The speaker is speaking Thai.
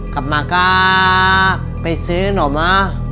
กลับมาก็ไปซื้อหน่อมะ